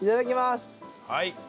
はい。